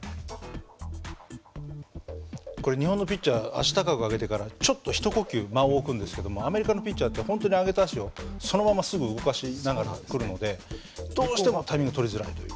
これ日本のピッチャー足高く上げてからちょっと一呼吸間を置くんですけどもアメリカのピッチャーって本当に上げた足をそのまますぐ動かしながら来るのでどうしてもタイミングとりづらいという。